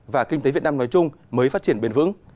và kinh tế việt nam nói chung mới phát triển bền vững